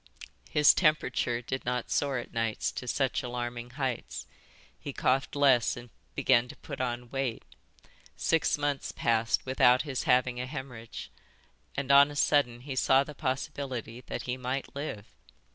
His temperature did not soar at night to such alarming heights, he coughed less and began to put on weight; six months passed without his having a hÊmorrhage; and on a sudden he saw the possibility that he might live.